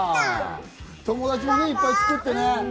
友達もいっぱいつくってね。